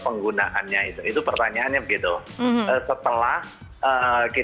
nah vaksin yang digunakan adalah halal dan suci